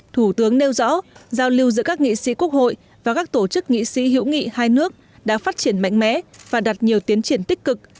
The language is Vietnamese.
thủ tướng nêu rõ giao lưu giữa các nghị sĩ quốc hội và các tổ chức nghị sĩ hữu nghị hai nước đã phát triển mạnh mẽ và đạt nhiều tiến triển tích cực